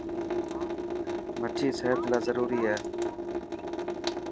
مڇي سحت لاءِ ضروري آهي.